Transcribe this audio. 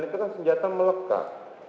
itu kan senjata melekat